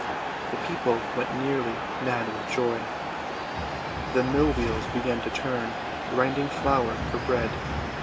The people went nearly mad with joy. The mill wheels began to turn, grinding flour for bread.